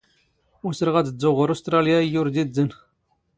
ⵓⵙⵔⵖ ⴰⴷ ⴷⴷⵓⵖ ⵖⵔ ⵓⵙⵜⵕⴰⵍⵢⴰ ⴰⵢⵢⵓⵔ ⴷ ⵉⴷⴷⴰⵏ.